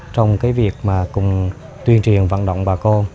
trong việc cùng tuyên truyền vận động bà con